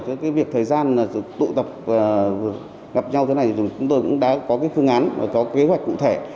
cái việc thời gian tụ tập gặp nhau thế này chúng tôi cũng đã có cái phương án và có kế hoạch cụ thể